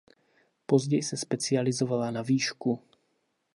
Později se specializovala na výšku.